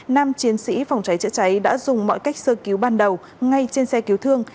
nam chiến sĩ phòng cháy chữa cháy đã dùng mọi cách sơ cứu ban đầu ngay trên xe cứu thương